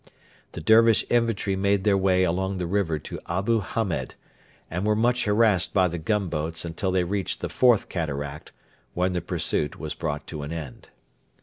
The Dervish infantry made their way along the river to Abu Hamed, and were much harassed by the gunboats until they reached the Fourth Cataract, when the pursuit was brought to an end.